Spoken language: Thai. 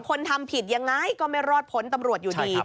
ทำผิดยังไงก็ไม่รอดพ้นตำรวจอยู่ดี